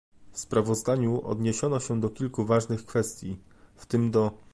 W sprawozdaniu odniesiono się do kilku ważnych kwestii, w tym do